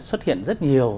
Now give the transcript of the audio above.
xuất hiện rất nhiều